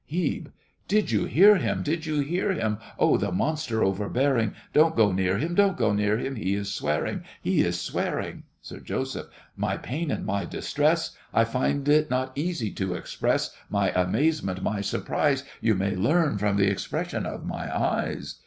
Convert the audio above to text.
HEBE. Did you hear him? Did you hear him? Oh, the monster overbearing! Don't go near him—don't go near him— He is swearing—he is swearing! SIR JOSEPH. My pain and my distress, I find it is not easy to express; My amazement—my surprise— You may learn from the expression of my eyes!